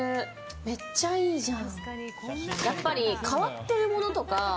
めっちゃいいじゃん。